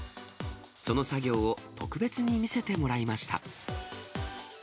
その作業を特別に見せてもらいました。